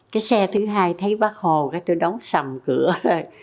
cái xe thứ hai thấy bắc hồ tôi đóng sầm cửa rồi